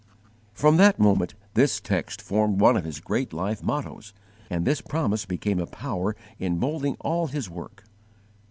From that moment this text formed one of his great life mottoes, and this promise became a power in moulding all his work.